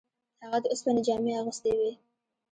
هغه د اوسپنې جامې اغوستې وې.